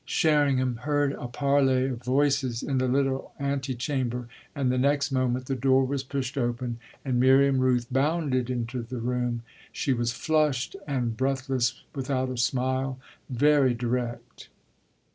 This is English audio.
Sherringham heard a parley of voices in the little antechamber, and the next moment the door was pushed open and Miriam Rooth bounded into the room. She was flushed and breathless, without a smile, very direct.